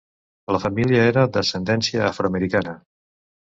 La família era d'ascendència afroamericana.